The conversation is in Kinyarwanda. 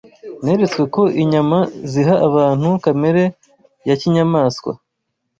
Neretswe ko inyama ziha abantu kamere ya kinyamaswa,